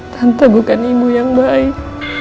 tante bukan ibu yang baik